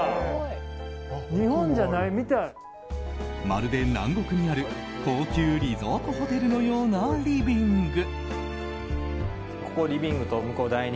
まるで南国にある高級リゾートホテルのようなリビング。